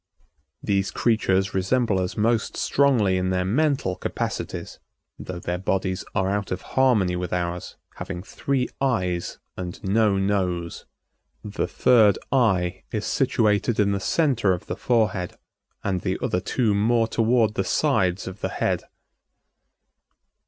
These creatures resemble us most strongly in their mental capacities, though their bodies are out of harmony with ours, having three eyes and no nose. The third eye is situated in the center of the forehead, and the other two more toward the sides of the head.